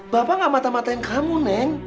bapak gak mata matain kamu neng